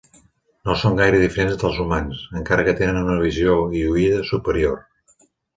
No són gaire diferents dels humans, encara que tenen una visió i oïda superior.